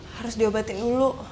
harus diobatin dulu